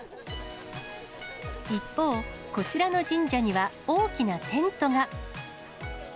一方、こちらの神社には、大きなテントが。